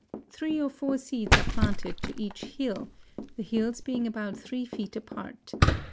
Three or four seeds are planted to each hill, the hills being about three feet apart.